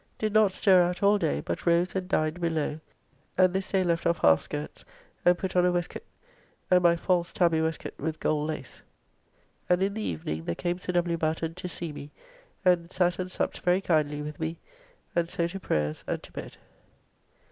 Did not stir out all day, but rose and dined below, and this day left off half skirts and put on a wastecoate, and my false taby wastecoate with gold lace; and in the evening there came Sir W. Batten to see me, and sat and supped very kindly with me, and so to prayers and to bed.